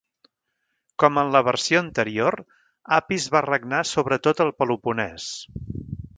Com en la versió anterior, Apis va regnar sobre tot el Peloponès.